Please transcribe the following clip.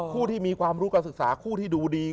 ผู้ที่มีความรู้การศึกษาคู่ที่ดูดี